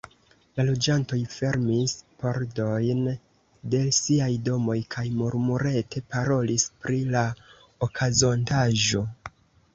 La loĝantoj fermis pordojn de siaj domoj kaj murmurete parolis pri la okazontaĵo.